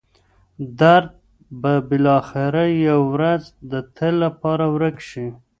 درد به بالاخره یوه ورځ د تل لپاره ورک شي.